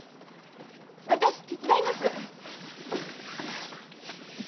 私手伝います。